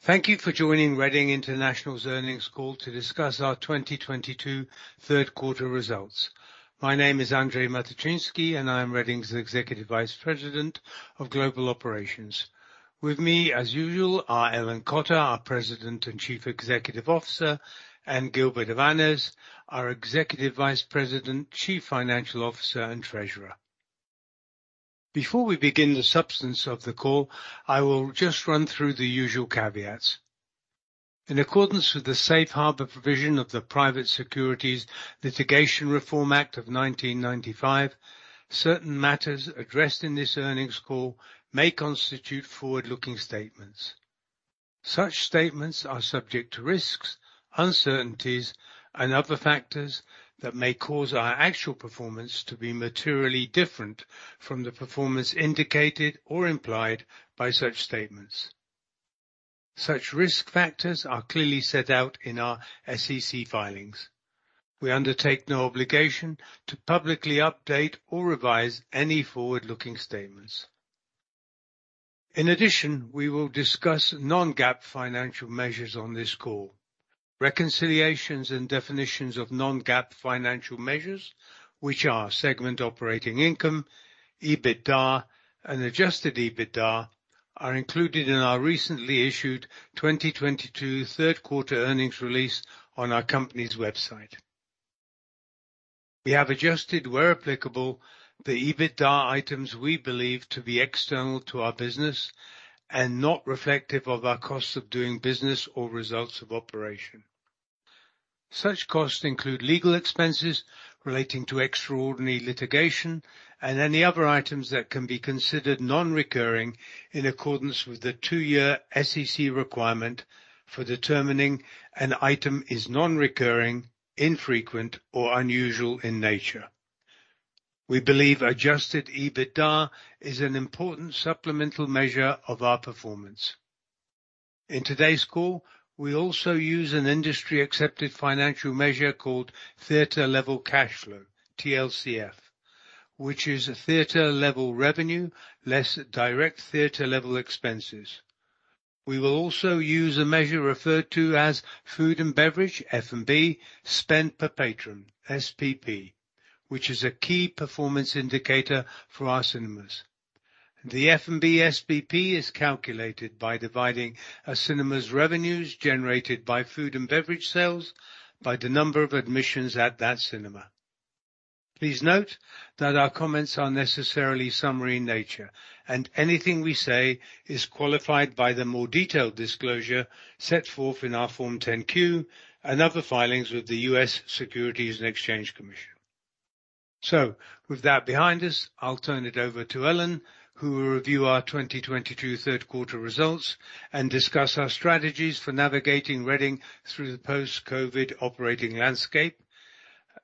Thank you for joining Reading International's earnings call to discuss our 2022 third quarter results. My name is Andrzej Matyczynski, and I'm Reading's Executive Vice President of Global Operations. With me, as usual, are Ellen Cotter, our President and Chief Executive Officer, and Gilbert Avanes, our Executive Vice President, Chief Financial Officer, and Treasurer. Before we begin the substance of the call, I will just run through the usual caveats. In accordance with the safe harbor provision of the Private Securities Litigation Reform Act of 1995, certain matters addressed in this earnings call may constitute forward-looking statements. Such statements are subject to risks, uncertainties, and other factors that may cause our actual performance to be materially different from the performance indicated or implied by such statements. Such risk factors are clearly set out in our SEC filings. We undertake no obligation to publicly update or revise any forward-looking statements. In addition, we will discuss non-GAAP financial measures on this call. Reconciliations and definitions of non-GAAP financial measures, which are segment operating income, EBITDA, and adjusted EBITDA, are included in our recently issued 2022 third quarter earnings release on our company's website. We have adjusted, where applicable, the EBITDA items we believe to be external to our business and not reflective of our costs of doing business or results of operations. Such costs include legal expenses relating to extraordinary litigation and any other items that can be considered non-recurring in accordance with the two-year SEC requirement for determining an item is non-recurring, infrequent, or unusual in nature. We believe adjusted EBITDA is an important supplemental measure of our performance. In today's call, we also use an industry-accepted financial measure called theater level cash flow, TLCF, which is a theater level revenue, less direct theater level expenses. We will also use a measure referred to as food and beverage, F&B, spend per patron, SPP, which is a key performance indicator for our cinemas. The F&B SPP is calculated by dividing a cinema's revenues generated by food and beverage sales by the number of admissions at that cinema. Please note that our comments are necessarily summary in nature, and anything we say is qualified by the more detailed disclosure set forth in our Form 10-Q and other filings with the U.S. Securities and Exchange Commission. With that behind us, I'll turn it over to Ellen, who will review our 2022 third quarter results and discuss our strategies for navigating Reading through the post-COVID operating landscape,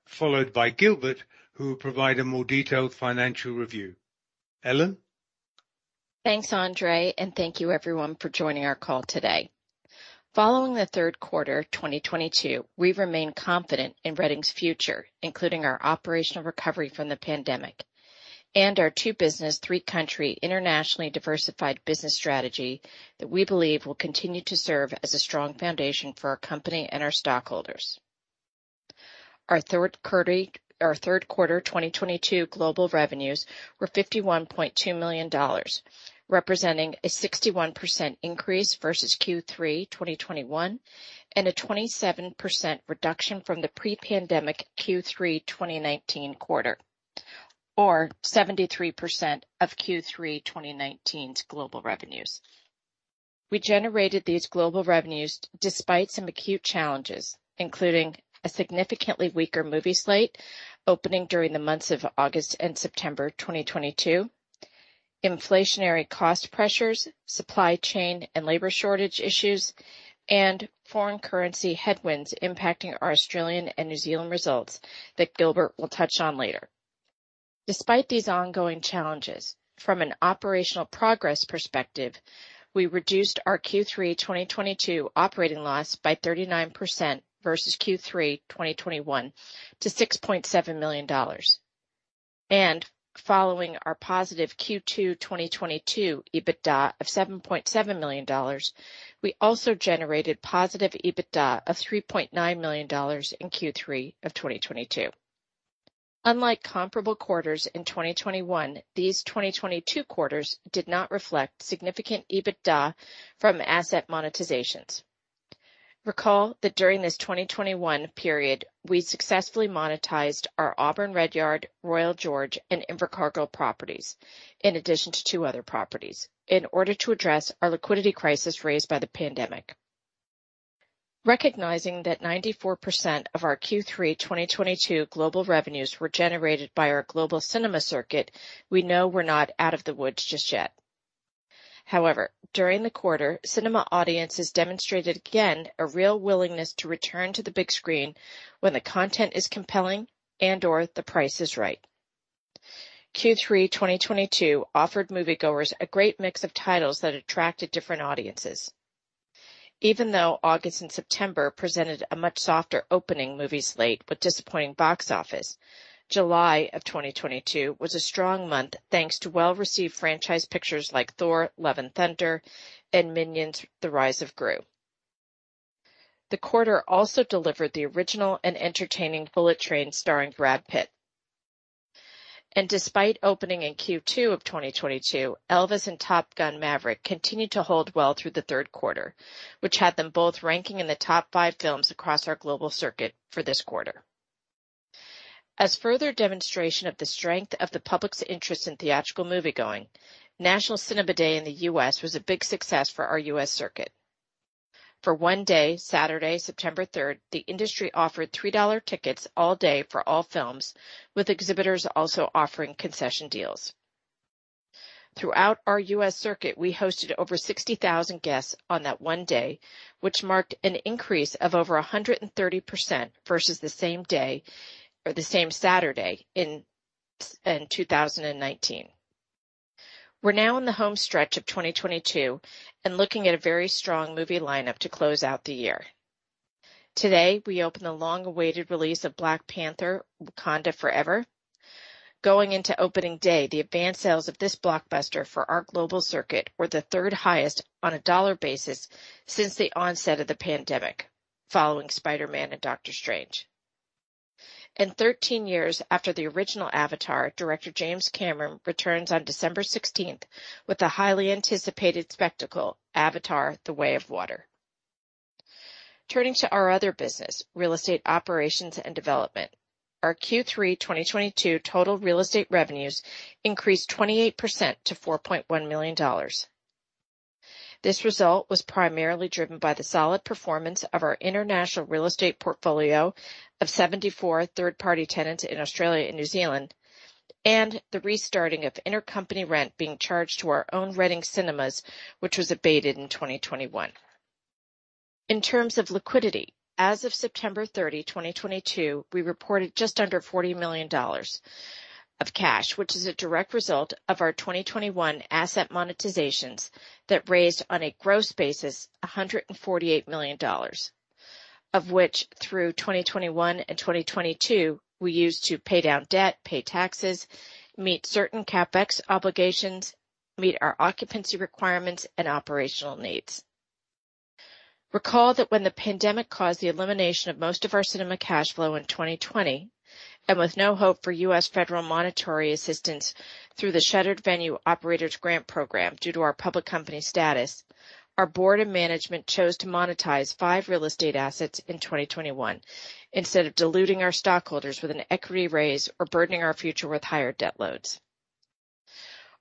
followed by Gilbert, who will provide a more detailed financial review. Ellen. Thanks, Andrzej, and thank you everyone for joining our call today. Following the third quarter 2022, we remain confident in Reading's future, including our operational recovery from the pandemic and our two-business, three-country, internationally diversified business strategy that we believe will continue to serve as a strong foundation for our company and our stockholders. Our third quarter 2022 global revenues were $51.2 million, representing a 61% increase versus Q3 2021 and a 27% reduction from the pre-pandemic Q3 2019 quarter, or 73% of Q3 2019's global revenues. We generated these global revenues despite some acute challenges, including a significantly weaker movie slate opening during the months of August and September 2022, inflationary cost pressures, supply chain and labor shortage issues, and foreign currency headwinds impacting our Australian and New Zealand results that Gilbert will touch on later. Despite these ongoing challenges, from an operational progress perspective, we reduced our Q3 2022 operating loss by 39% versus Q3 2021 to $6.7 million. Following our positive Q2 2022 EBITDA of $7.7 million, we also generated positive EBITDA of $3.9 million in Q3 2022. Unlike comparable quarters in 2021, these 2022 quarters did not reflect significant EBITDA from asset monetizations. Recall that during this 2021 period, we successfully monetized our Auburn Redyard, Royal George, and Invercargill properties, in addition to two other properties, in order to address our liquidity crisis raised by the pandemic. Recognizing that 94% of our Q3 2022 global revenues were generated by our global cinema circuit, we know we're not out of the woods just yet. However, during the quarter, cinema audiences demonstrated again a real willingness to return to the big screen when the content is compelling and/or the price is right. Q3 2022 offered moviegoers a great mix of titles that attracted different audiences. Even though August and September presented a much softer opening movie slate with disappointing box office. July 2022 was a strong month, thanks to well-received franchise pictures like Thor: Love and Thunder and Minions: The Rise of Gru. The quarter also delivered the original and entertaining Bullet Train starring Brad Pitt. Despite opening in Q2 2022, Elvis and Top Gun: Maverick continued to hold well through the third quarter, which had them both ranking in the top five films across our global circuit for this quarter. As further demonstration of the strength of the public's interest in theatrical moviegoing, National Cinema Day in the U.S. was a big success for our U.S. circuit. For one day, Saturday, September third, the industry offered $3 tickets all day for all films, with exhibitors also offering concession deals. Throughout our U.S. circuit, we hosted over 60,000 guests on that one day, which marked an increase of over 130% versus the same day or the same Saturday in 2019. We're now in the home stretch of 2022 and looking at a very strong movie lineup to close out the year. Today, we open the long-awaited release of Black Panther: Wakanda Forever. Going into opening day, the advance sales of this blockbuster for our global circuit were the third highest on a dollar basis since the onset of the pandemic, following Spider-Man and Doctor Strange. Thirteen years after the original Avatar, director James Cameron returns on December 16 with the highly anticipated spectacle Avatar: The Way of Water. Turning to our other business, real estate operations and development. Our Q3 2022 total real estate revenues increased 28% to $4.1 million. This result was primarily driven by the solid performance of our international real estate portfolio of 74 third-party tenants in Australia and New Zealand, and the restarting of intercompany rent being charged to our own Reading Cinemas, which was abated in 2021. In terms of liquidity, as of September 30, 2022, we reported just under $40 million of cash, which is a direct result of our 2021 asset monetizations that raised on a gross basis $148 million, of which through 2021 and 2022 we used to pay down debt, pay taxes, meet certain CapEx obligations, meet our occupancy requirements and operational needs. Recall that when the pandemic caused the elimination of most of our cinema cash flow in 2020, and with no hope for U.S. federal monetary assistance through the Shuttered Venue Operators Grant program due to our public company status, our board and management chose to monetize five real estate assets in 2021 instead of diluting our stockholders with an equity raise or burdening our future with higher debt loads.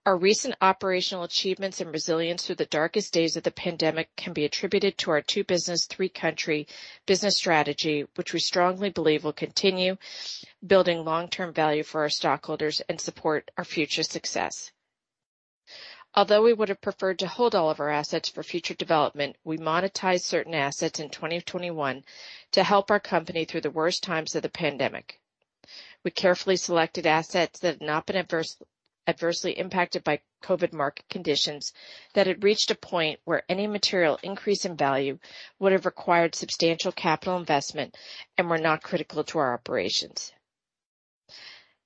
Our recent operational achievements and resilience through the darkest days of the pandemic can be attributed to our two-business, three-country business strategy, which we strongly believe will continue building long-term value for our stockholders and support our future success. Although we would have preferred to hold all of our assets for future development, we monetized certain assets in 2021 to help our company through the worst times of the pandemic. We carefully selected assets that had not been adversely impacted by COVID market conditions, that had reached a point where any material increase in value would have required substantial capital investment and were not critical to our operations.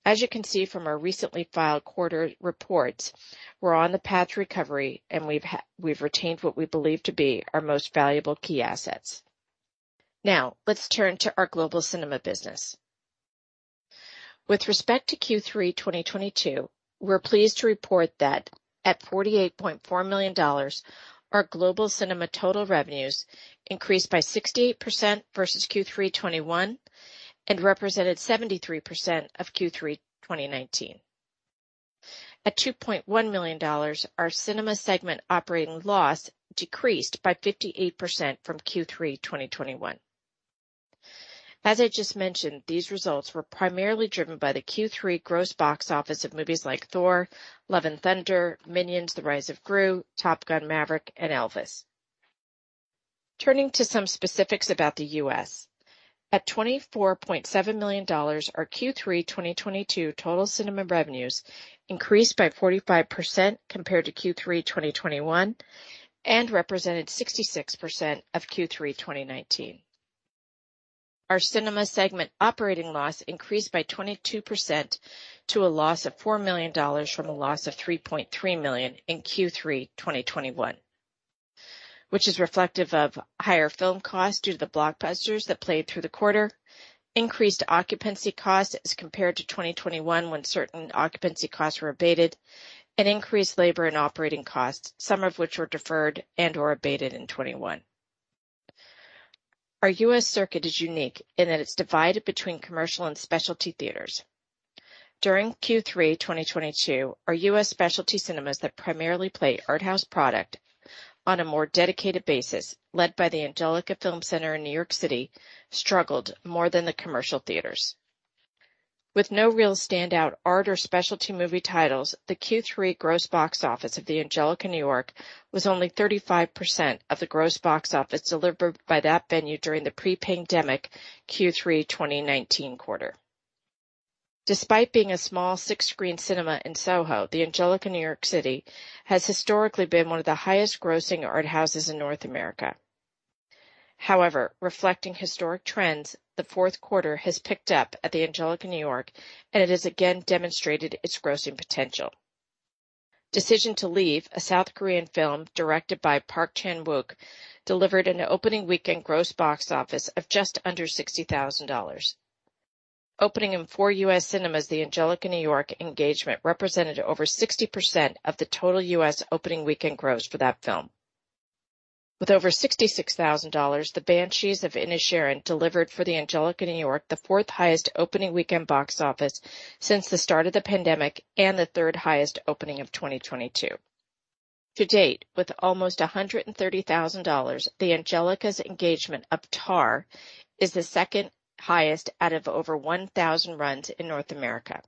As you can see from our recently filed quarterly reports, we're on the path to recovery, and we've retained what we believe to be our most valuable key assets. Now let's turn to our global cinema business. With respect to Q3 2022, we're pleased to report that at $48.4 million, our global cinema total revenues increased by 68% versus Q3 2021 and represented 73% of Q3 2019. At $2.1 million, our cinema segment operating loss decreased by 58% from Q3 2021. As I just mentioned, these results were primarily driven by the Q3 gross box office of movies like Thor: Love and Thunder, Minions: The Rise of Gru, Top Gun: Maverick, and Elvis. Turning to some specifics about the U.S. At $24.7 million, our Q3 2022 total cinema revenues increased by 45% compared to Q3 2021 and represented 66% of Q3 2019. Our cinema segment operating loss increased by 22% to a loss of $4 million from a loss of $3.3 million in Q3 2021, which is reflective of higher film costs due to the blockbusters that played through the quarter. Increased occupancy costs as compared to 2021, when certain occupancy costs were abated. Increased labor and operating costs, some of which were deferred and/or abated in 2021. Our U.S. circuit is unique in that it's divided between commercial and specialty theaters. During Q3 2022, our U.S. specialty cinemas that primarily play art house product on a more dedicated basis, led by the Angelika Film Center in New York City, struggled more than the commercial theaters. With no real standout art or specialty movie titles, the Q3 gross box office of the Angelika New York was only 35% of the gross box office delivered by that venue during the pre-pandemic Q3 2019 quarter. Despite being a small six-screen cinema in Soho, the Angelika New York City has historically been one of the highest grossing art houses in North America. However, reflecting historic trends, the fourth quarter has picked up at the Angelika New York, and it has again demonstrated its grossing potential. Decision to Leave, a South Korean film directed by Park Chan-wook, delivered an opening weekend gross box office of just under $60,000. Opening in four U.S. cinemas, the Angelika New York engagement represented over 60% of the total U.S. opening weekend gross for that film. With over $66,000, The Banshees of Inisherin delivered for the Angelika New York the fourth highest opening weekend box office since the start of the pandemic and the third highest opening of 2022. To date, with almost $130,000, the Angelika's engagement of Tár is the second highest out of over 1,000 runs in North America.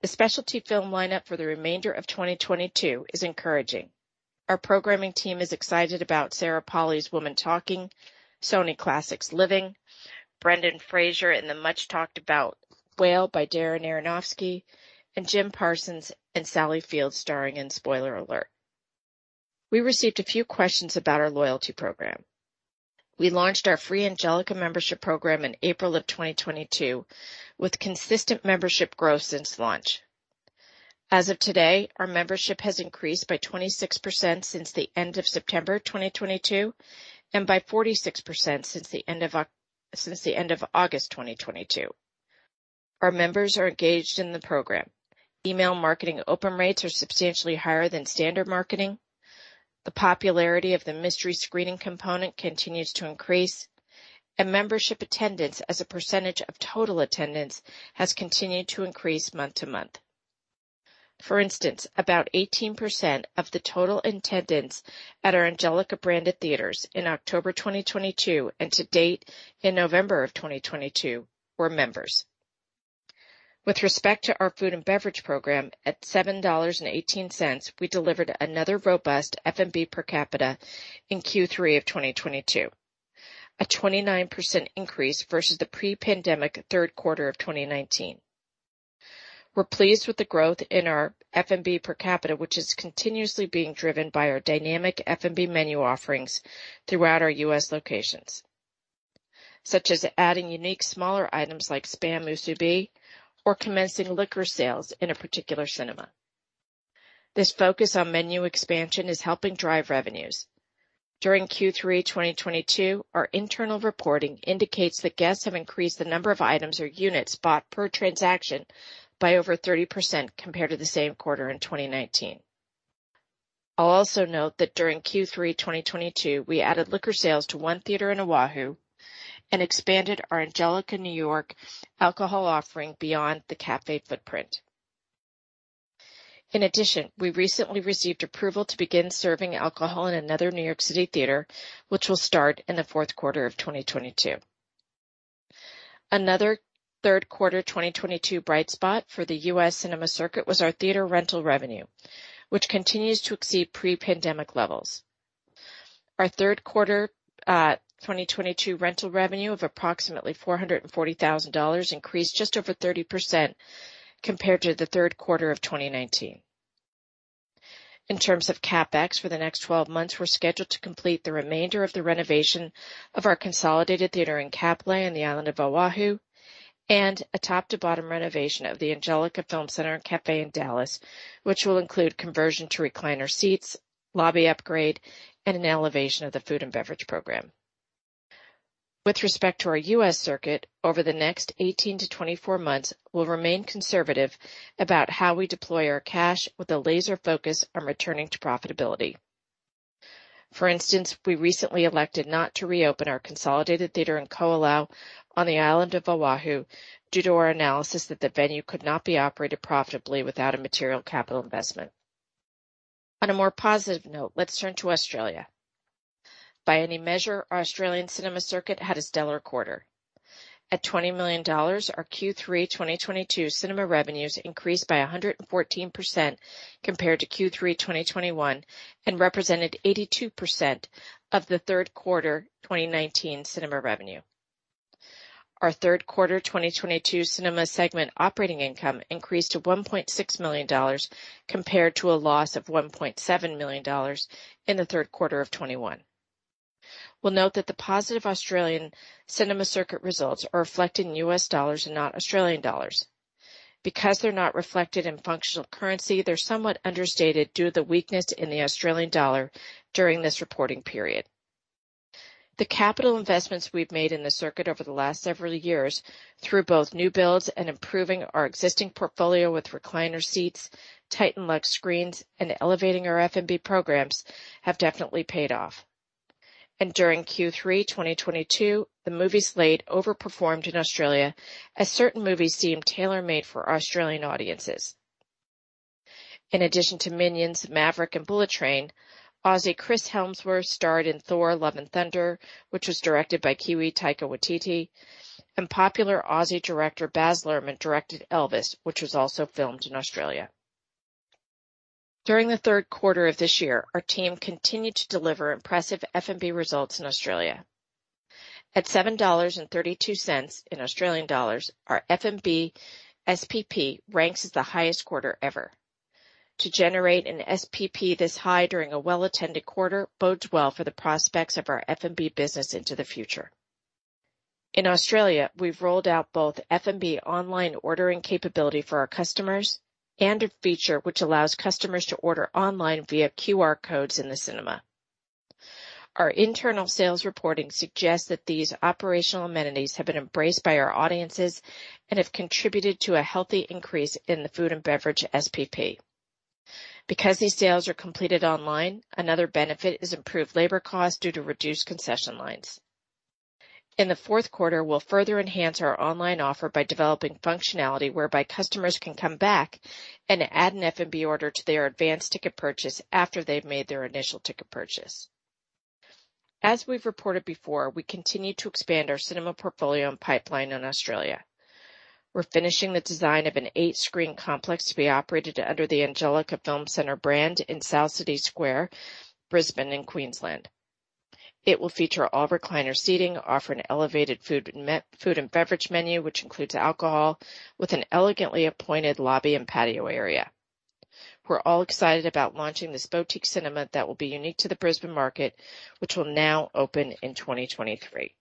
The specialty film lineup for the remainder of 2022 is encouraging. Our programming team is excited about Sarah Polley's Women Talking, Sony Pictures Classics' Living, Brendan Fraser in the much-talked-about The Whale by Darren Aronofsky, and Jim Parsons and Sally Field starring in Spoiler Alert. We received a few questions about our loyalty program. We launched our free Angelika membership program in April 2022 with consistent membership growth since launch. As of today, our membership has increased by 26% since the end of September 2022, and by 46% since the end of August 2022. Our members are engaged in the program. Email marketing open rates are substantially higher than standard marketing. The popularity of the mystery screening component continues to increase. Membership attendance as a percentage of total attendance has continued to increase month-to-month. For instance, about 18% of the total attendance at our Angelika branded theaters in October 2022 and to date in November 2022 were members. With respect to our food and beverage program, at $7.18, we delivered another robust F&B per capita in Q3 of 2022, a 29% increase versus the pre-pandemic third quarter of 2019. We're pleased with the growth in our F&B per capita, which is continuously being driven by our dynamic F&B menu offerings throughout our U.S. locations, such as adding unique smaller items like Spam musubi or commencing liquor sales in a particular cinema. This focus on menu expansion is helping drive revenues. During Q3 2022, our internal reporting indicates that guests have increased the number of items or units bought per transaction by over 30% compared to the same quarter in 2019. I'll also note that during Q3 2022, we added liquor sales to one theater in Oahu and expanded our Angelika New York alcohol offering beyond the café footprint. In addition, we recently received approval to begin serving alcohol in another New York City theater, which will start in the fourth quarter of 2022. Another third quarter 2022 bright spot for the US cinema circuit was our theater rental revenue, which continues to exceed pre-pandemic levels. Our third quarter 2022 rental revenue of approximately $440,000 increased just over 30% compared to the third quarter of 2019. In terms of CapEx for the next 12 months, we're scheduled to complete the remainder of the renovation of our consolidated theater in Kapolei on the island of Oahu and a top-to-bottom renovation of the Angelika Film Center and Cafe in Dallas, which will include conversion to recliner seats, lobby upgrade, and an elevation of the food and beverage program. With respect to our U.S. Circuit, over the next 18-24 months, we'll remain conservative about how we deploy our cash with a laser focus on returning to profitability. For instance, we recently elected not to reopen our consolidated theater in Ko Olina on the island of Oahu due to our analysis that the venue could not be operated profitably without a material capital investment. On a more positive note, let's turn to Australia. By any measure, our Australian cinema circuit had a stellar quarter. At $20 million, our Q3 2022 cinema revenues increased by 114% compared to Q3 2021 and represented 82% of the third quarter 2019 cinema revenue. Our third quarter 2022 cinema segment operating income increased to $1.6 million compared to a loss of $1.7 million in the third quarter of 2021. We'll note that the positive Australian cinema circuit results are reflected in U.S. dollars and not Australian dollars. Because they're not reflected in functional currency, they're somewhat understated due to the weakness in the Australian dollar during this reporting period. The capital investments we've made in the circuit over the last several years through both new builds and improving our existing portfolio with recliner seats, Titan Luxe screens, and elevating our F&B programs have definitely paid off. During Q3 2022, the movie slate overperformed in Australia as certain movies seemed tailor-made for Australian audiences. In addition to Minions, Maverick, and Bullet Train, Aussie Chris Hemsworth starred in Thor: Love and Thunder, which was directed by Kiwi Taika Waititi. Popular Aussie director Baz Luhrmann directed Elvis, which was also filmed in Australia. During the third quarter of this year, our team continued to deliver impressive F&B results in Australia. At 7.32 dollars in Australian dollars, our F&B SPP ranks as the highest quarter ever. To generate an SPP this high during a well-attended quarter bodes well for the prospects of our F&B business into the future. In Australia, we've rolled out both F&B online ordering capability for our customers and a feature which allows customers to order online via QR codes in the cinema. Our internal sales reporting suggests that these operational amenities have been embraced by our audiences and have contributed to a healthy increase in the food and beverage SPP. Because these sales are completed online, another benefit is improved labor cost due to reduced concession lines. In the fourth quarter, we'll further enhance our online offer by developing functionality whereby customers can come back and add an F&B order to their advanced ticket purchase after they've made their initial ticket purchase. As we've reported before, we continue to expand our cinema portfolio and pipeline in Australia. We're finishing the design of an eight-screen complex to be operated under the Angelika Film Center brand in South City Square, Brisbane in Queensland. It will feature all-recliner seating, offer an elevated food and beverage menu, which includes alcohol, with an elegantly appointed lobby and patio area. We're all excited about launching this boutique cinema that will be unique to the Brisbane market, which will now open in 2023.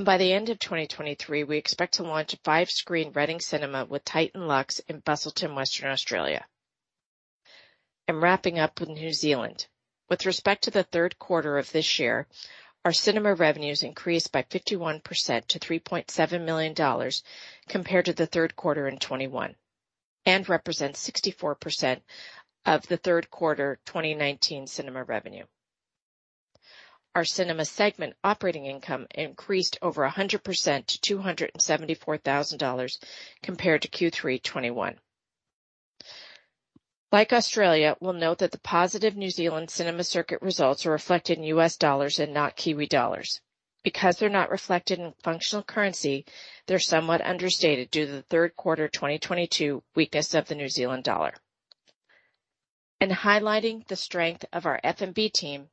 By the end of 2023, we expect to launch a five-screen Reading Cinemas with Titan Luxe in Busselton, Western Australia. I'm wrapping up with New Zealand. With respect to the third quarter of this year, our cinema revenues increased by 51% to $3.7 million compared to the third quarter in 2021, and represents 64% of the third quarter 2019 cinema revenue. Our cinema segment operating income increased over 100% to $274,000 compared to Q3 2021. Like Australia, we'll note that the positive New Zealand cinema circuit results are reflected in U.S. dollars and not Kiwi dollars. Because they're not reflected in functional currency, they're somewhat understated due to the third quarter 2022 weakness of the New Zealand dollar. Highlighting the strength of our F&B team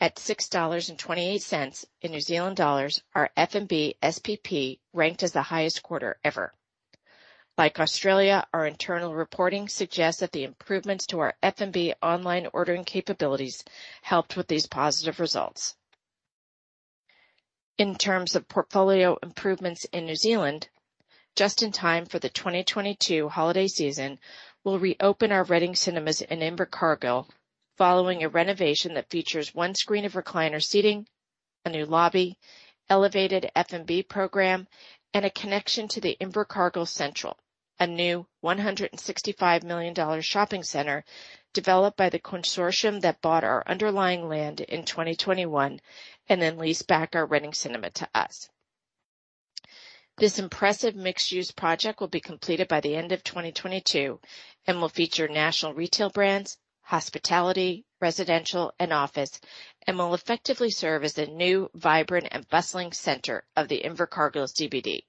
at 6.28 dollars in New Zealand dollars, our F&B SPP ranked as the highest quarter ever. Like Australia, our internal reporting suggests that the improvements to our F&B online ordering capabilities helped with these positive results. In terms of portfolio improvements in New Zealand, just in time for the 2022 holiday season, we'll reopen our Reading Cinemas in Invercargill following a renovation that features one screen of recliner seating, a new lobby, elevated F&B program, and a connection to the Invercargill Central, a new $165 million shopping center developed by the consortium that bought our underlying land in 2021 and then leased back our Reading Cinema to us. This impressive mixed-use project will be completed by the end of 2022 and will feature national retail brands, hospitality, residential, and office, and will effectively serve as the new vibrant and bustling center of the Invercargill CBD.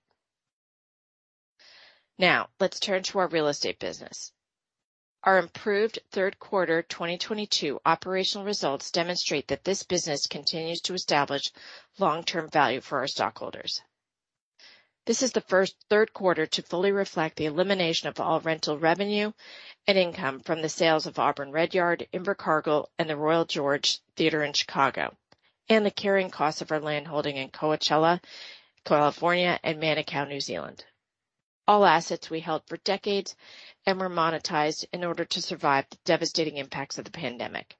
Now let's turn to our real estate business. Our improved third quarter 2022 operational results demonstrate that this business continues to establish long-term value for our stockholders. This is the first third quarter to fully reflect the elimination of all rental revenue and income from the sales of Auburn Redyard, Invercargill, and the Royal George Theater in Chicago, and the carrying cost of our land holding in Coachella, California and Manukau, New Zealand. All assets we held for decades and were monetized in order to survive the devastating impacts of the pandemic.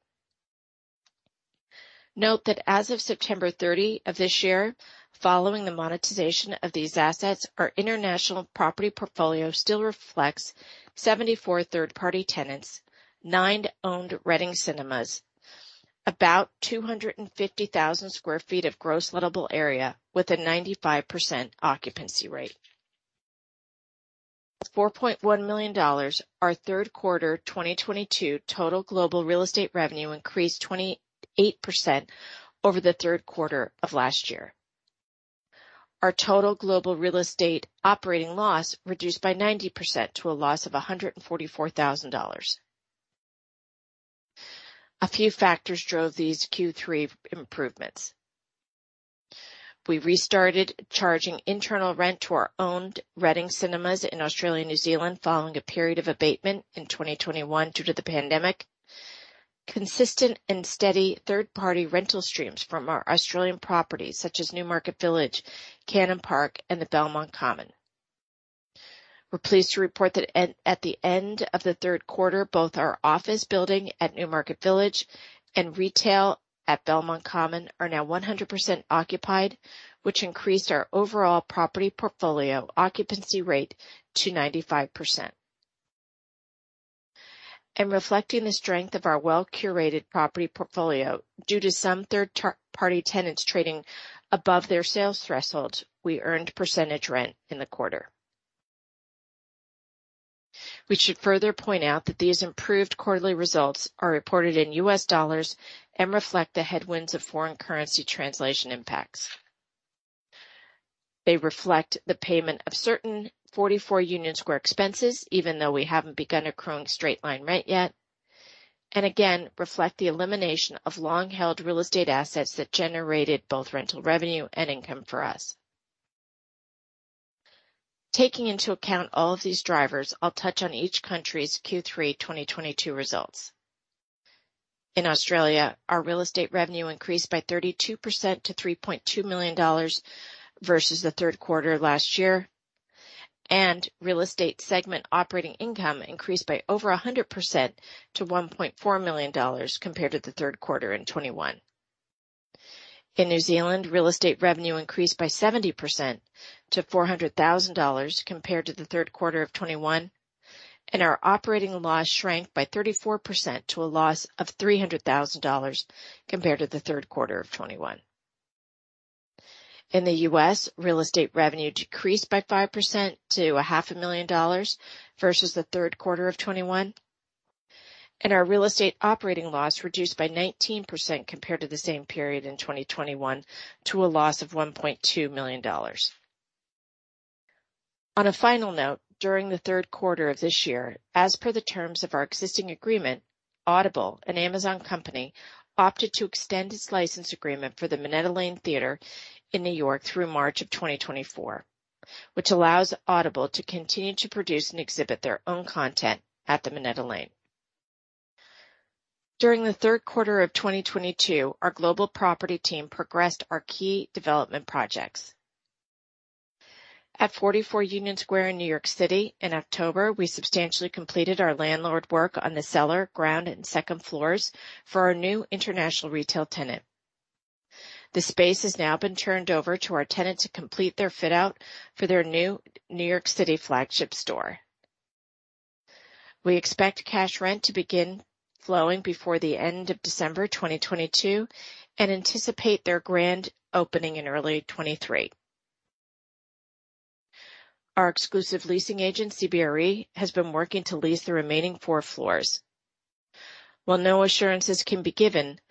Note that as of September 30 of this year, following the monetization of these assets, our international property portfolio still reflects 74 third-party tenants, nine owned Reading Cinemas, about 250,000 sq ft of gross lettable area with a 95% occupancy rate. $4.1 million, our third quarter 2022 total global real estate revenue increased 28% over the third quarter of last year. Our total global real estate operating loss reduced by 90% to a loss of $144,000. A few factors drove these Q3 improvements. We restarted charging internal rent to our owned Reading Cinemas in Australia and New Zealand following a period of abatement in 2021 due to the pandemic. Consistent and steady third-party rental streams from our Australian properties such as Newmarket Village, Cannon Park, and the Belmont Common. We're pleased to report that at the end of the third quarter, both our office building at Newmarket Village and retail at Belmont Common are now 100% occupied, which increased our overall property portfolio occupancy rate to 95%. Reflecting the strength of our well-curated property portfolio, due to some third-party tenants trading above their sales threshold, we earned percentage rent in the quarter. We should further point out that these improved quarterly results are reported in US dollars and reflect the headwinds of foreign currency translation impacts. They reflect the payment of certain 44 Union Square expenses, even though we haven't begun accruing straight-line rent yet. Again, reflect the elimination of long-held real estate assets that generated both rental revenue and income for us. Taking into account all of these drivers, I'll touch on each country's Q3 2022 results. In Australia, our real estate revenue increased by 32% to $3.2 million versus the third quarter last year, and real estate segment operating income increased by over 100% to $1.4 million compared to the third quarter in 2021. In New Zealand, real estate revenue increased by 70% to $400,000 compared to the third quarter of 2021, and our operating loss shrank by 34% to a loss of $300,000 compared to the third quarter of 2021. In the U.S., real estate revenue decreased by 5% to $500,000 versus the third quarter of 2021. Our real estate operating loss reduced by 19% compared to the same period in 2021 to a loss of $1.2 million. On a final note, during the third quarter of this year, as per the terms of our existing agreement, Audible, an Amazon company, opted to extend its license agreement for the Minetta Lane Theater in New York through March 2024, which allows Audible to continue to produce and exhibit their own content at the Minetta Lane. During the third quarter of 2022, our global property team progressed our key development projects. At 44 Union Square in New York City in October, we substantially completed our landlord work on the cellar, ground, and second floors for our new international retail tenant. The space has now been turned over to our tenant to complete their fit-out for their new New York City flagship store. We expect cash rent to begin flowing before the end of December 2022 and anticipate their grand opening in early 2023. Our exclusive leasing agent, CBRE, has been working to lease the remaining four floors. While no assurances can be given,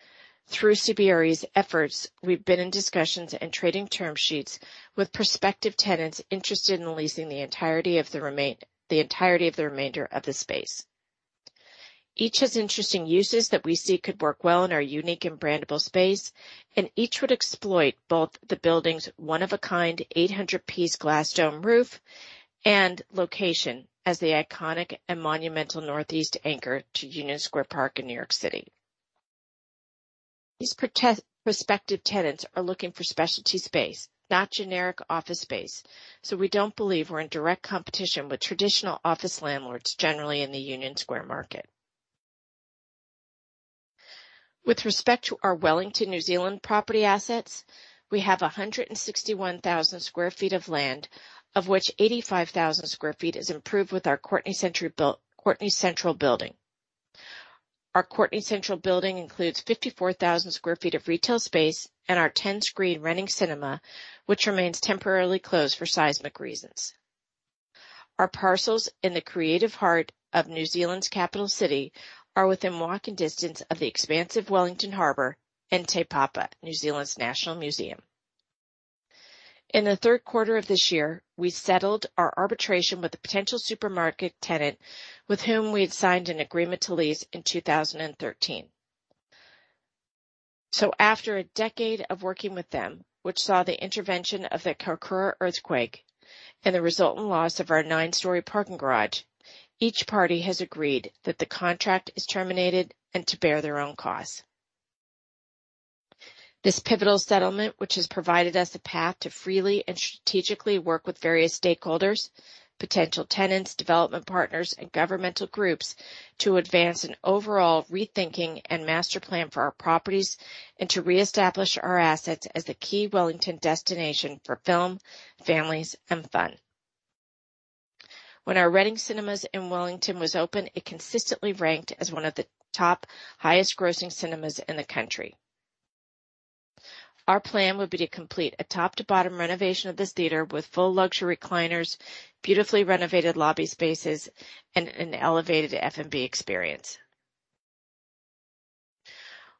through CBRE's efforts, we've been in discussions and trading term sheets with prospective tenants interested in leasing the entirety of the remainder of the space. Each has interesting uses that we see could work well in our unique and brandable space, and each would exploit both the building's one-of-a-kind 800-piece glass dome roof and location as the iconic and monumental northeast anchor to Union Square Park in New York City. These prospective tenants are looking for specialty space, not generic office space, so we don't believe we're in direct competition with traditional office landlords generally in the Union Square market. With respect to our Wellington, New Zealand property assets, we have 161,000 sq ft of land, of which 85,000 sq ft is improved with our Courtenay Central building. Our Courtenay Central building includes 54,000 sq ft of retail space and our 10-screen Reading cinema, which remains temporarily closed for seismic reasons. Our parcels in the creative heart of New Zealand's capital city are within walking distance of the expansive Wellington Harbor and Te Papa, New Zealand's national museum. In the third quarter of this year, we settled our arbitration with a potential supermarket tenant with whom we had signed an agreement to lease in 2013. After a decade of working with them, which saw the intervention of the Kaikōura earthquake and the resultant loss of our nine-story parking garage, each party has agreed that the contract is terminated and to bear their own costs. This pivotal settlement, which has provided us a path to freely and strategically work with various stakeholders, potential tenants, development partners, and governmental groups to advance an overall rethinking and master plan for our properties and to reestablish our assets as the key Wellington destination for film, families, and fun. When our Reading Cinemas in Wellington was open, it consistently ranked as one of the top highest-grossing cinemas in the country. Our plan would be to complete a top-to-bottom renovation of this theater with full luxury recliners, beautifully renovated lobby spaces, and an elevated F&B experience.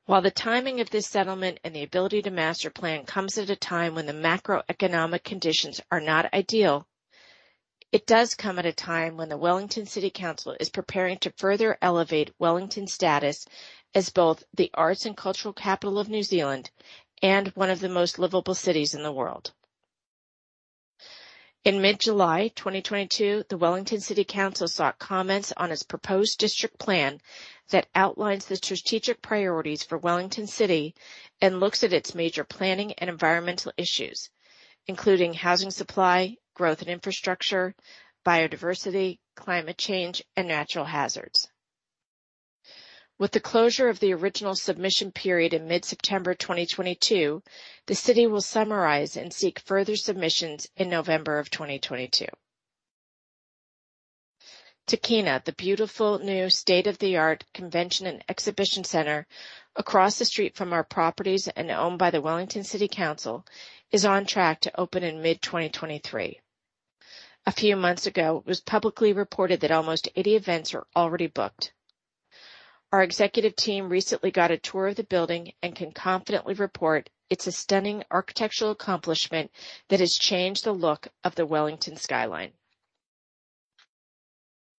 While the timing of this settlement and the ability to master plan comes at a time when the macroeconomic conditions are not ideal, it does come at a time when the Wellington City Council is preparing to further elevate Wellington's status as both the arts and cultural capital of New Zealand and one of the most livable cities in the world. In mid-July 2022, the Wellington City Council sought comments on its proposed district plan that outlines the strategic priorities for Wellington City and looks at its major planning and environmental issues, including housing supply, growth and infrastructure, biodiversity, climate change, and natural hazards. With the closure of the original submission period in mid-September 2022, the city will summarize and seek further submissions in November of 2022. Te Papa, the beautiful new state-of-the-art convention and exhibition center across the street from our properties and owned by the Wellington City Council, is on track to open in mid-2023. A few months ago, it was publicly reported that almost 80 events are already booked. Our executive team recently got a tour of the building and can confidently report it's a stunning architectural accomplishment that has changed the look of the Wellington skyline.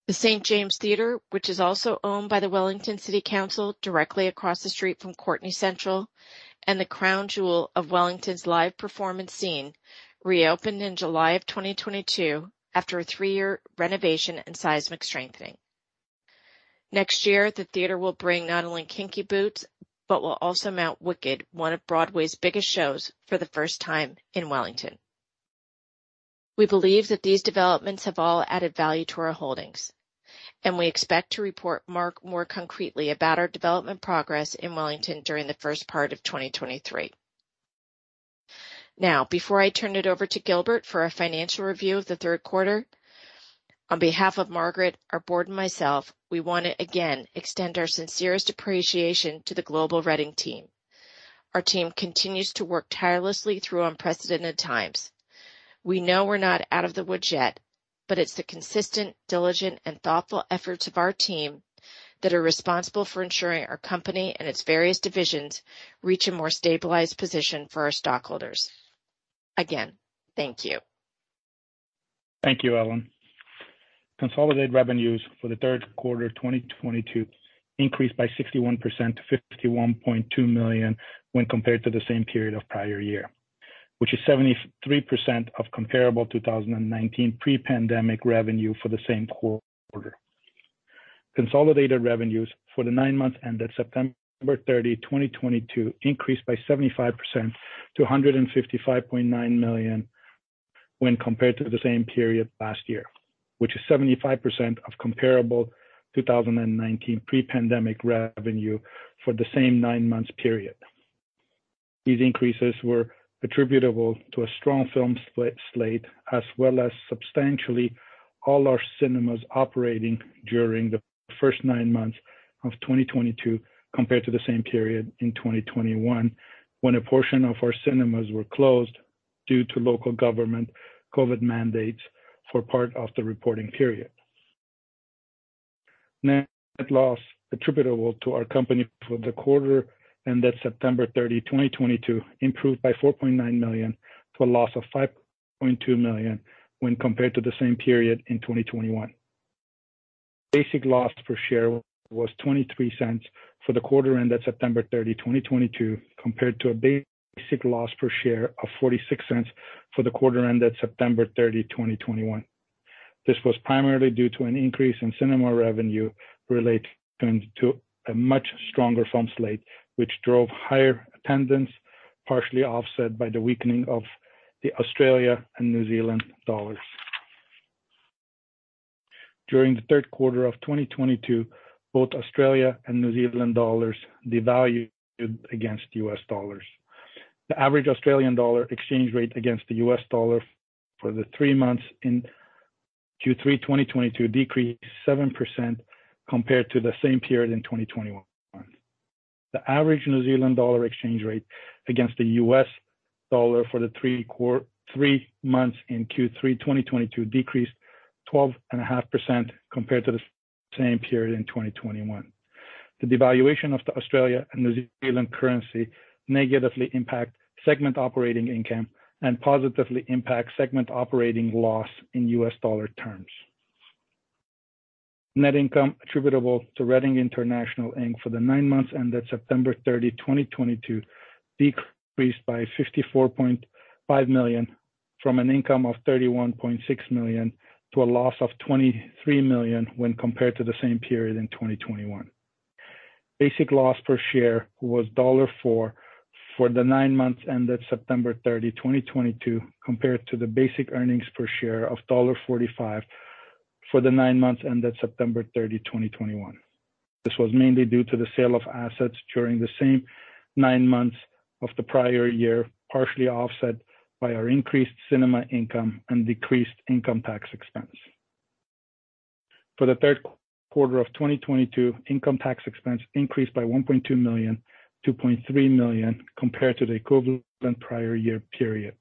The St. James Theater, which is also owned by the Wellington City Council, directly across the street from Courtenay Central and the crown jewel of Wellington's live performance scene, reopened in July of 2022 after a three-year renovation and seismic strengthening. Next year, the theater will bring not only Kinky Boots, but will also mount Wicked, one of Broadway's biggest shows, for the first time in Wellington. We believe that these developments have all added value to our holdings, and we expect to report more concretely about our development progress in Wellington during the first part of 2023. Now, before I turn it over to Gilbert for our financial review of the third quarter. On behalf of Margaret, our board, and myself, we want to again extend our sincerest appreciation to the global Reading team. Our team continues to work tirelessly through unprecedented times. We know we're not out of the woods yet, but it's the consistent, diligent, and thoughtful efforts of our team that are responsible for ensuring our company and its various divisions reach a more stabilized position for our stockholders. Again, thank you. Thank you, Ellen. Consolidated revenues for the third quarter of 2022 increased by 61% to $51.2 million when compared to the same period of prior year. Which is 73% of comparable 2019 pre-pandemic revenue for the same quarter. Consolidated revenues for the nine months ended September 30, 2022 increased by 75% to $155.9 million when compared to the same period last year, which is 75% of comparable 2019 pre-pandemic revenue for the same nine months period. These increases were attributable to a strong film slate as well as substantially all our cinemas operating during the first nine months of 2022 compared to the same period in 2021, when a portion of our cinemas were closed due to local government COVID mandates for part of the reporting period. Net loss attributable to our company for the quarter ended September 30, 2022 improved by $4.9 million, to a loss of $5.2 million when compared to the same period in 2021. Basic loss per share was $0.23 for the quarter ended September 30, 2022, compared to a basic loss per share of $0.46 for the quarter ended September 30, 2021. This was primarily due to an increase in cinema revenue relating to a much stronger film slate, which drove higher attendance, partially offset by the weakening of the Australian and New Zealand dollars. During the third quarter of 2022, both Australian and New Zealand dollars devalued against U.S. dollars. The average Australian dollar exchange rate against the U.S. dollar for the three months in Q3 2022 decreased 7% compared to the same period in 2021. The average New Zealand dollar exchange rate against the U.S. dollar for the three months in Q3 2022 decreased 12.5% compared to the same period in 2021. The devaluation of the Australia and New Zealand currency negatively impact segment operating income and positively impact segment operating loss in U.S. dollar terms. Net income attributable to Reading International, Inc. for the nine months ended September 30, 2022 decreased by $54.5 million, from an income of $31.6 million to a loss of $23 million, when compared to the same period in 2021. Basic loss per share was $0.04 for the nine months ended September 30, 2022, compared to the basic earnings per share of $0.45 for the nine months ended September 30, 2021. This was mainly due to the sale of assets during the same nine months of the prior year, partially offset by our increased cinema income and decreased income tax expense. For the third quarter of 2022 income tax expense increased by $1.2 million-$0.3 million compared to the equivalent prior year period,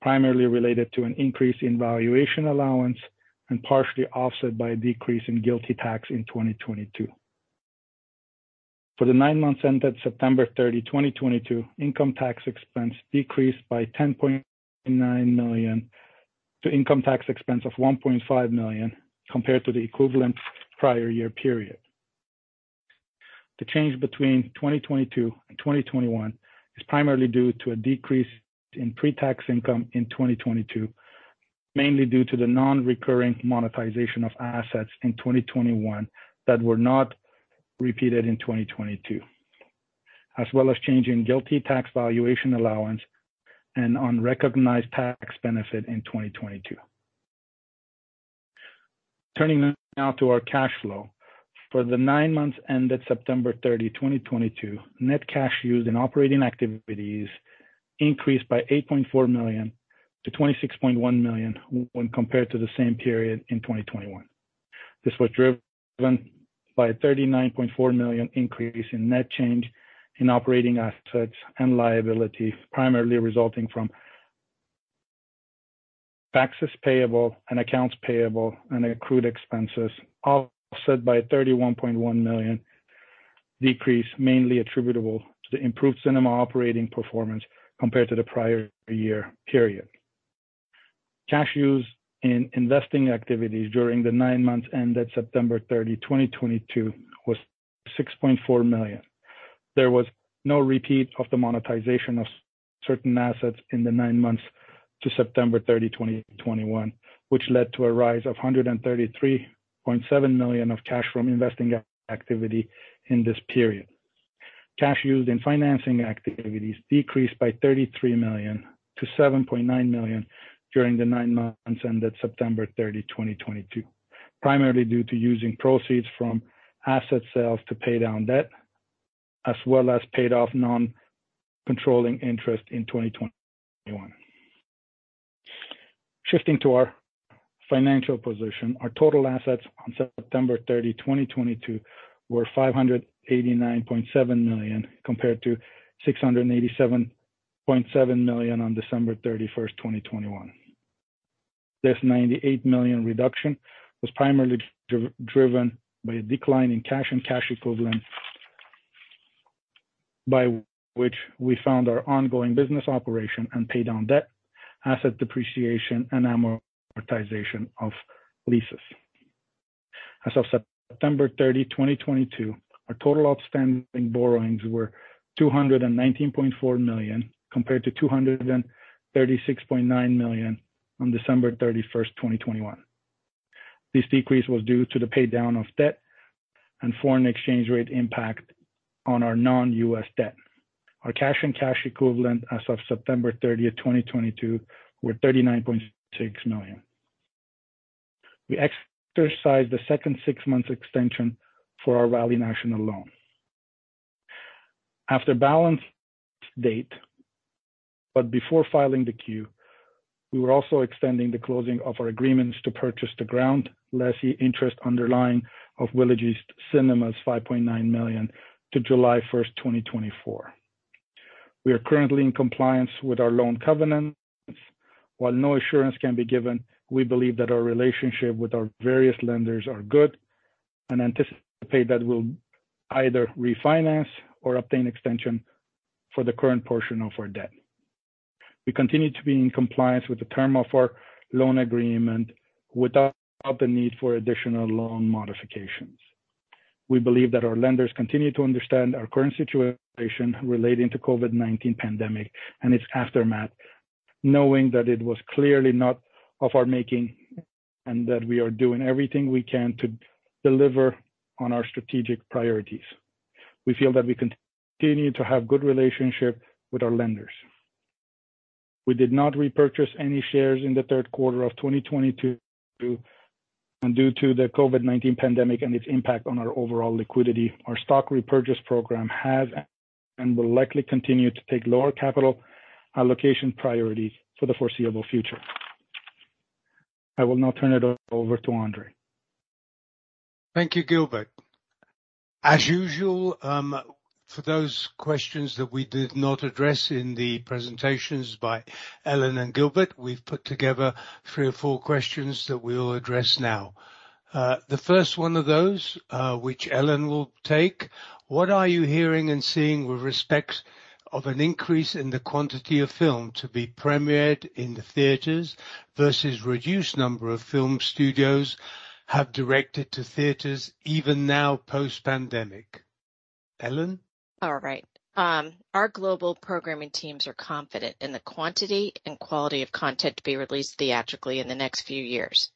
primarily related to an increase in valuation allowance and partially offset by a decrease in GILTI tax in 2022. For the nine months ended September 30, 2022 income tax expense decreased by $10.9 million to income tax expense of $1.5 million compared to the equivalent prior year period. The change between 2022 and 2021 is primarily due to a decrease in pre-tax income in 2022, mainly due to the non-recurring monetization of assets in 2021 that were not repeated in 2022. As well as change in GILTI tax valuation allowance and unrecognized tax benefit in 2022. Turning now to our cash flow. For the nine months ended September 30, 2022, net cash used in operating activities increased by $8.4 million-$26.1 million when compared to the same period in 2021. This was driven by a $39.4 million increase in net change in operating assets and liabilities, primarily resulting from taxes payable and accounts payable and accrued expenses, offset by $31.1 million decrease, mainly attributable to the improved cinema operating performance compared to the prior year period. Cash used in investing activities during the nine months ended September 30, 2022 was $6.4 million. There was no repeat of the monetization of certain assets in the nine months to September 30, 2021, which led to a rise of $133.7 million of cash from investing activity in this period. Cash used in financing activities decreased by $33 million-$7.9 million during the nine months ended September 30, 2022, primarily due to using proceeds from asset sales to pay down debt as well as paid off non-controlling interest in 2021. Shifting to our financial position. Our total assets on September 30, 2022 were $589.7 million, compared to $687.7 million on December 31, 2021. This $98 million reduction was primarily driven by a decline in cash and cash equivalents, by which we fund our ongoing business operations and pay down debt, asset depreciation and amortization of leases. As of September 30, 2022, our total outstanding borrowings were $219.4 million, compared to $236.9 million on December 31, 2021. This decrease was due to the pay down of debt and foreign exchange rate impact on our non-U.S. debt. Our cash and cash equivalents as of September 30, 2022 were $39.6 million. We exercised the second six-month extension for our Valley National Bank loan. After balance date, but before filing the 10-Q, we also extended the closing of our agreements to purchase the ground lessee interest underlying Village East Cinemas for $5.9 million to July 1, 2024. We are currently in compliance with our loan covenants. While no assurance can be given, we believe that our relationship with our various lenders are good and anticipate that we'll either refinance or obtain extension for the current portion of our debt. We continue to be in compliance with the term of our loan agreement without the need for additional loan modifications. We believe that our lenders continue to understand our current situation relating to COVID-19 pandemic and its aftermath, knowing that it was clearly not of our making and that we are doing everything we can to deliver on our strategic priorities. We feel that we continue to have good relationship with our lenders. We did not repurchase any shares in the third quarter of 2022, and due to the COVID-19 pandemic and its impact on our overall liquidity, our stock repurchase program has and will likely continue to take lower capital allocation priorities for the foreseeable future. I will now turn it over to Andrzej. Thank you, Gilbert. As usual, for those questions that we did not address in the presentations by Ellen and Gilbert, we've put together three or four questions that we'll address now. The first one of those, which Ellen will take. What are you hearing and seeing with respect to an increase in the quantity of films to be premiered in the theaters versus reduced number of films studios have directed to theaters even now, post-pandemic? Ellen. All right. Our global programming teams are confident in the quantity and quality of content to be released theatrically in the next few years.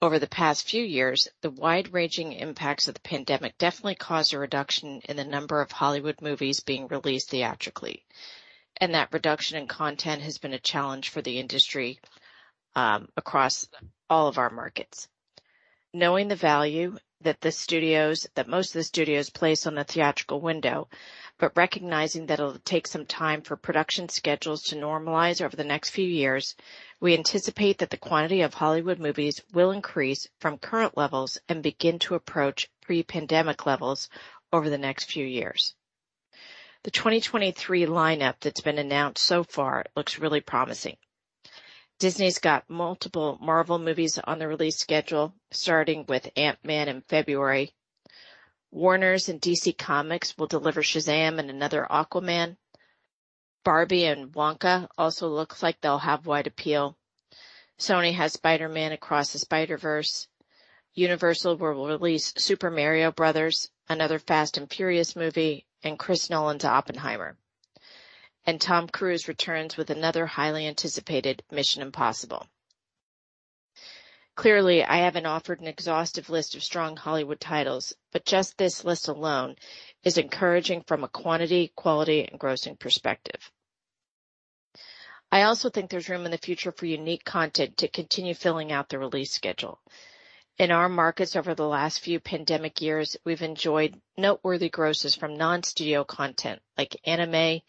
Over the past few years, the wide-ranging impacts of the pandemic definitely caused a reduction in the number of Hollywood movies being released theatrically. That reduction in content has been a challenge for the industry, across all of our markets. Knowing the value that most of the studios place on the theatrical window, but recognizing that it'll take some time for production schedules to normalize over the next few years, we anticipate that the quantity of Hollywood movies will increase from current levels and begin to approach pre-pandemic levels over the next few years. The 2023 lineup that's been announced so far looks really promising. Disney's got multiple Marvel movies on the release schedule, starting with Ant-Man in February. Warner Bros.' and DC Comics will deliver Shazam! and another Aquaman. Barbie and Wonka also looks like they'll have wide appeal. Sony has Spider-Man: Across the Spider-Verse. Universal will release The Super Mario Bros. Movie, another Fast and Furious movie, and Christopher Nolan's Oppenheimer. Tom Cruise returns with another highly anticipated Mission: Impossible. Clearly, I haven't offered an exhaustive list of strong Hollywood titles, but just this list alone is encouraging from a quantity, quality, and grossing perspective. I also think there's room in the future for unique content to continue filling out the release schedule. In our markets over the last few pandemic years, we've enjoyed noteworthy grosses from non-studio content like anime,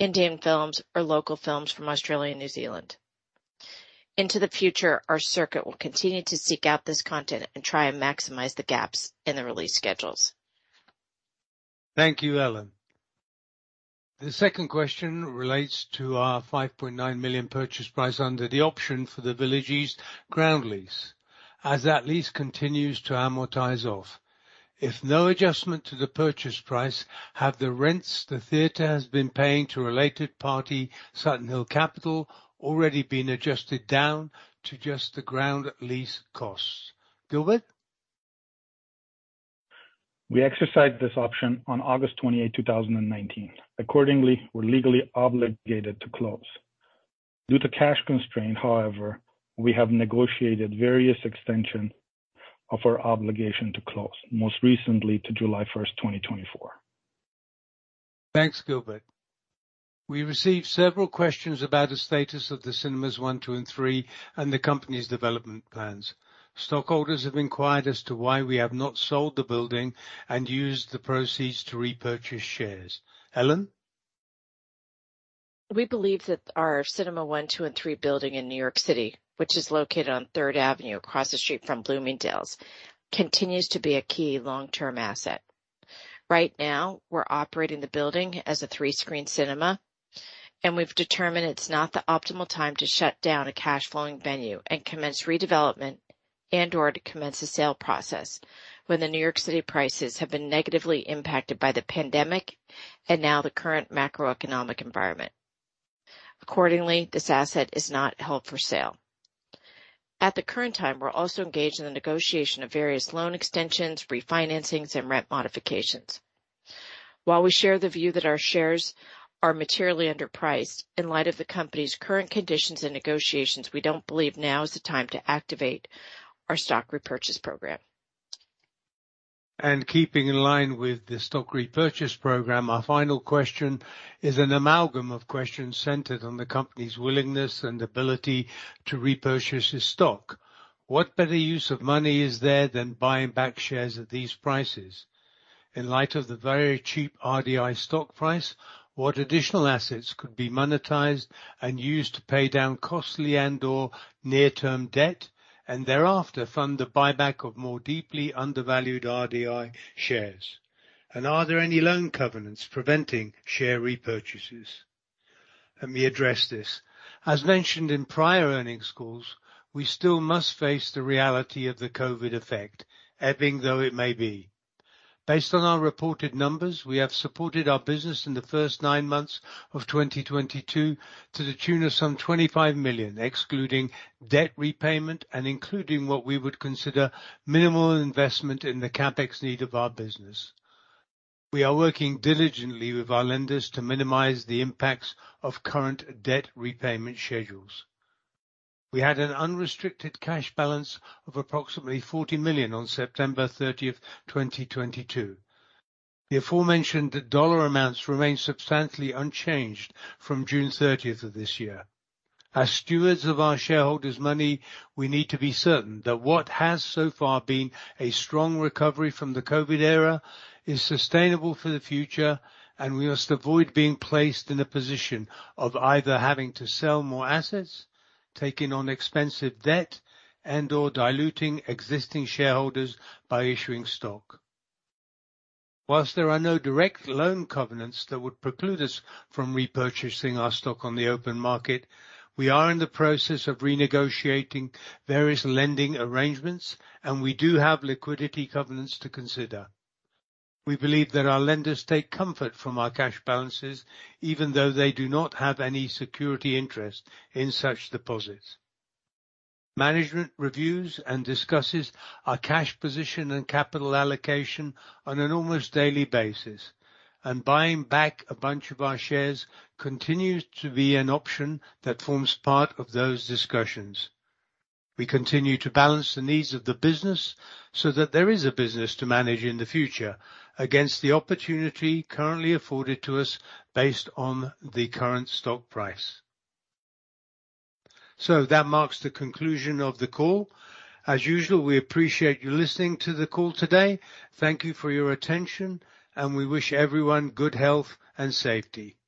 Indian films, or local films from Australia and New Zealand. Into the future, our circuit will continue to seek out this content and try and maximize the gaps in the release schedules. Thank you, Ellen. The second question relates to our $5.9 million purchase price under the option for the Villages ground lease as that lease continues to amortize off. If no adjustment to the purchase price, have the rents the theater has been paying to a related party, Sutton Hill Capital, already been adjusted down to just the ground lease costs? Gilbert? We exercised this option on August 28, 2019. Accordingly, we're legally obligated to close. Due to cash constraint, however, we have negotiated various extension of our obligation to close, most recently to July 1, 2024. Thanks, Gilbert. We received several questions about the status of the Cinemas 1, 2, and 3 and the company's development plans. Stockholders have inquired as to why we have not sold the building and used the proceeds to repurchase shares. Ellen? We believe that our Cinema 1, 2, and 3 building in New York City, which is located on Third Avenue across the street from Bloomingdale's, continues to be a key long-term asset. Right now, we're operating the building as a three-screen cinema, and we've determined it's not the optimal time to shut down a cash flowing venue and commence redevelopment and/or to commence a sale process when the New York City prices have been negatively impacted by the pandemic and now the current macroeconomic environment. Accordingly, this asset is not held for sale. At the current time, we're also engaged in the negotiation of various loan extensions, refinancings, and rent modifications. While we share the view that our shares are materially underpriced, in light of the company's current conditions and negotiations, we don't believe now is the time to activate our stock repurchase program. Keeping in line with the stock repurchase program, our final question is an amalgam of questions centered on the company's willingness and ability to repurchase its stock. What better use of money is there than buying back shares at these prices? In light of the very cheap RDI stock price, what additional assets could be monetized and used to pay down costly and/or near-term debt and thereafter fund the buyback of more deeply undervalued RDI shares? Are there any loan covenants preventing share repurchases? Let me address this. As mentioned in prior earnings calls, we still must face the reality of the COVID effect, ebbing though it may be. Based on our reported numbers, we have supported our business in the first nine months of 2022 to the tune of some $25 million, excluding debt repayment and including what we would consider minimal investment in the CapEx need of our business. We are working diligently with our lenders to minimize the impacts of current debt repayment schedules. We had an unrestricted cash balance of approximately $40 million on September 30, 2022. The aforementioned dollar amounts remain substantially unchanged from June 30 of this year. As stewards of our shareholders' money, we need to be certain that what has so far been a strong recovery from the COVID era is sustainable for the future, and we must avoid being placed in a position of either having to sell more assets, taking on expensive debt, and/or diluting existing shareholders by issuing stock. While there are no direct loan covenants that would preclude us from repurchasing our stock on the open market, we are in the process of renegotiating various lending arrangements, and we do have liquidity covenants to consider. We believe that our lenders take comfort from our cash balances, even though they do not have any security interest in such deposits. Management reviews and discusses our cash position and capital allocation on an almost daily basis, and buying back a bunch of our shares continues to be an option that forms part of those discussions. We continue to balance the needs of the business so that there is a business to manage in the future against the opportunity currently afforded to us based on the current stock price. That marks the conclusion of the call. As usual, we appreciate you listening to the call today. Thank you for your attention, and we wish everyone good health and safety.